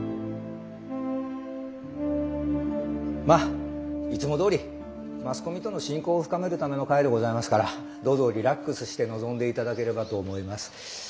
まいつもどおりマスコミとの親交を深めるための会でございますからどうぞリラックスして臨んでいただければと思います。